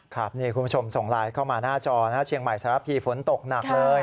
คุณผู้ชมส่งไลน์เข้ามาหน้าจอนะฮะเชียงใหม่สารพีฝนตกหนักเลย